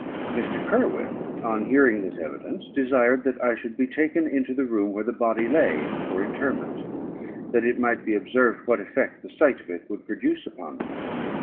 Mr. Kirwin, on hearing this evidence, desired that I should be taken into the room where the body lay for interment, that it might be observed what effect the sight of it would produce upon me.